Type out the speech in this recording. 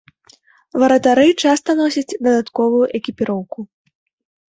Варатары часта носяць дадатковую экіпіроўку.